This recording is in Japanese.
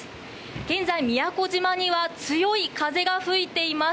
現在、宮古島には強い風が吹いています。